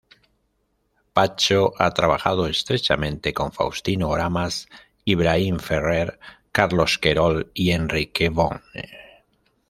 Pacho ha trabajado estrechamente con Faustino Oramas, Ibrahim Ferrer, Carlos Querol y Enrique Bonne.